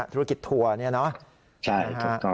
ธุรกิจทัวร์เนี่ยเนาะ